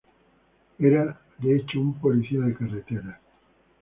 Era de hecho una policía de carreteras.